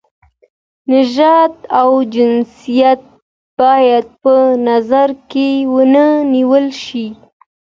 نژاد او جنسیت باید په نظر کې ونه نیول شي.